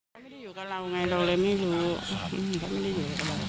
เขาไม่ได้อยู่กับเราไงเราเลยไม่รู้เขาไม่ได้อยู่กับเรา